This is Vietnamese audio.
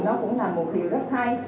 nó cũng là một điều rất hay